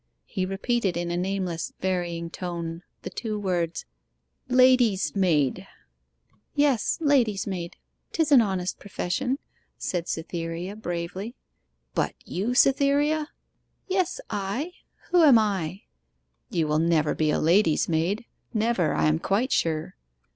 He repeated in a nameless, varying tone, the two words 'Lady's maid!' 'Yes; lady's maid. 'Tis an honest profession,' said Cytherea bravely. 'But you, Cytherea?' 'Yes, I who am I?' 'You will never be a lady's maid never, I am quite sure.